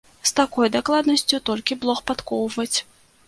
З такой дакладнасцю толькі блох падкоўваць!